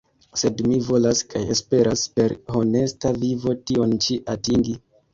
Sed mi volas kaj esperas per honesta vivo tion ĉi atingi.